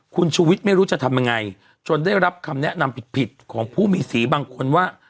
คุณชูวิทย์ไม่รู้จะทำยังไงจนได้รับคำแนะนำผิดของผู้มีสีบางคนว่า